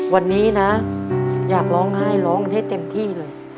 วันนี้นะอยากร้องไห้ร้องให้เต็มที่เลย